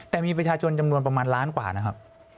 แต่มีประชาชนจำนวนประมาณล้านกว่านะครับ